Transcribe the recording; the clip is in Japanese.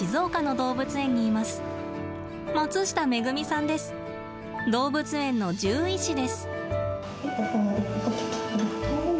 動物園の獣医師です。